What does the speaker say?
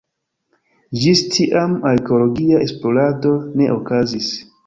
Ĝis tiam arkeologia esplorado ne okazis.